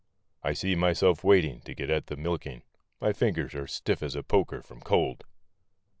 I see myself wading to get at the milk¬ ing; my fingers are stiff as a poker from cold.